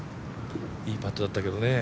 いいパットだったけどね。